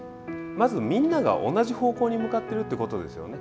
まず、みんなが同じ方向に向かっているということですよね。